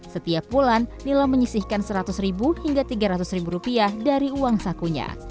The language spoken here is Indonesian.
setiap bulan nila menyisihkan seratus ribu hingga tiga ratus ribu rupiah dari uang sakunya